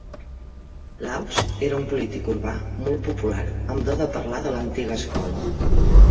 Lausche era un polític urbà molt popular amb do de parlar de l"antiga escola.